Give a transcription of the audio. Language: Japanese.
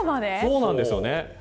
そうなんですよね。